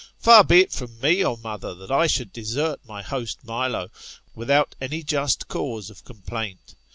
Far be it from me, O mother, that I should desert my host Milo, without any just cause of complaint.